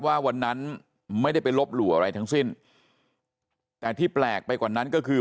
ว่าวันนั้นไม่ได้ไปลบหลู่อะไรทั้งสิ้นแต่ที่แปลกไปกว่านั้นก็คือ